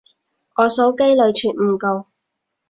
我手機內存唔夠